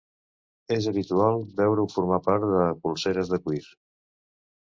És habitual veure-ho formar part de polseres de cuir.